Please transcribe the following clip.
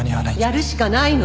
やるしかないの。